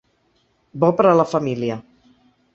Bo per a la família.